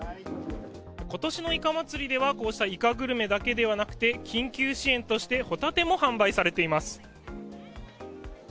今年のいか祭りではこうしたイカグルメだけではなくて緊急支援としてホタテも販売されています。